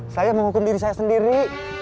saya menghukum diri saya sendiri